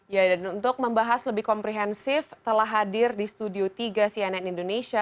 ya dan untuk membahas lebih komprehensif telah hadir di studio tiga cnn indonesia